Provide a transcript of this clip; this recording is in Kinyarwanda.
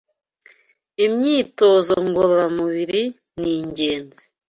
imyitozo ngororamubiri nigenzi